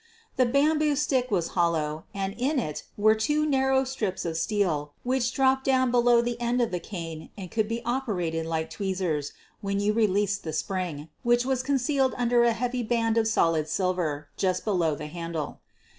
The bamboo stick was hollow, and in it were two narrow strips of steel which dropped down below the end of the cane and could be operated like tweezers when you released the spring, which was concealed under a heavy band of solid silver just below the handle.